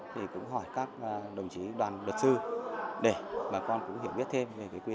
thì cũng hỏi các đồng chí đoàn luật sư để bà con cũng hiểu biết thêm